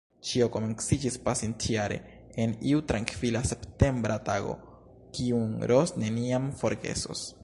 Ĉio komenciĝis pasintjare en iu trankvila septembra tago, kiun Ros neniam forgesos.